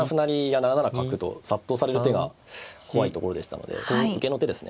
７七角と殺到される手が怖いところでしたので受けの手ですね。